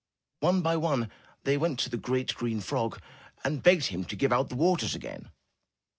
One by one, they went to the great, green frog and begged him to give out the waters again.